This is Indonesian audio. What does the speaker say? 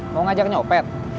mau ngajak nyopet